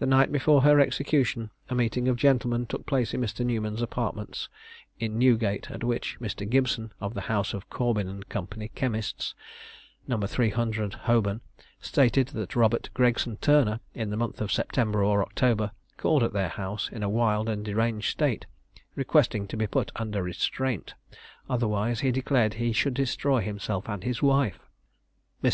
The night before her execution a meeting of gentlemen took place in Mr. Newman's apartments in Newgate, at which Mr. Gibson, of the house of Corbyn and Co., chemists, No. 300, Holborn, stated that Robert Gregson Turner, in the month of September or October, called at their house in a wild and deranged state, requesting to be put under restraint, otherwise he declared he should destroy himself and wife. Mr.